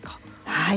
はい。